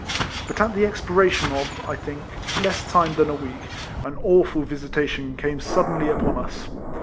But at the expiration of (I think) less time than a week, an awful visitation came sud denly upon us.